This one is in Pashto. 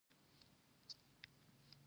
د نامه نه یادېدل د تعجب خبره نه ده.